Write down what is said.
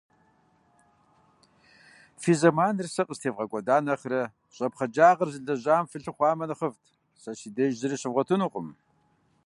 Фи зэманыр сэ къыстевгъэкӏуэда нэхърэ, щӏэпхъэджагъэр зылэжьам фылъыхъуамэ нэхъыфӏт. Сэ си деж зыри щывгъуэтынукъым.